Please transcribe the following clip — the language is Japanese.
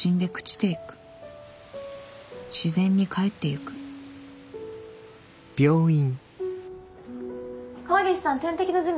自然にかえっていく川岸さん点滴の準備